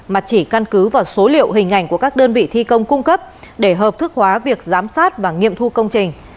mà chỉ căn cứ vào số liệu hình ảnh của các đơn vị thi công cung cấp để hợp thức hóa việc giám sát và nghiệm thu công trình